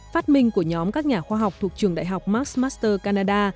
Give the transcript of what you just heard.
phát minh của nhóm các nhà khoa học thuộc trường đại học maxmaster canada